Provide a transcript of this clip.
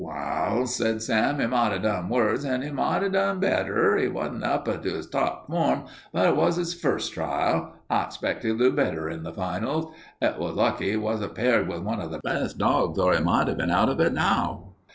"Waal," said Sam, "he might have done worse and he might have done better. He wa'n't up to his top form, but it was his first trial. I expect he'll do better in the finals. It was lucky he wa'n't paired with one of the best dogs, or he might have been out of it now.